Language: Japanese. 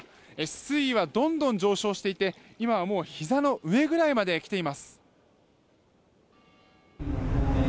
水位はどんどん上昇していて今はひざの上くらいまで来ています。